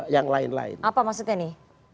yang lain lain apa maksudnya nih